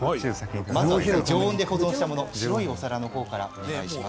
まずは常温で保存したもの白いお皿の方からお願いします。